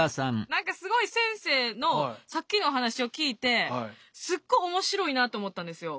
何かすごい先生のさっきのお話を聞いてすっごい面白いなと思ったんですよ。